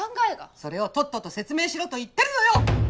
それをとっとと説明しろと言ってるのよ！